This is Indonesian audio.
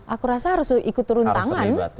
aku rasa harus ikut turun tangan